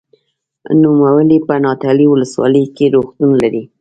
نوموړی په نادعلي ولسوالۍ کې روغتون لري.